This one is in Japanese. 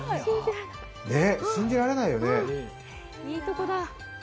信じられないよね。